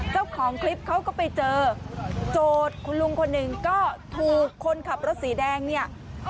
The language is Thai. เจ้าของคลิปเขาก็ไปเจอโจทย์คุณลุงคนหนึ่งก็ถูกคนขับรถสีแดงเนี่ย